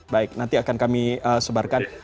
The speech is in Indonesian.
baik nanti akan kami sebarkan